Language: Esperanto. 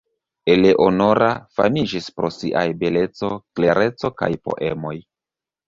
Eleonora famis pro siaj beleco, klereco kaj poemoj.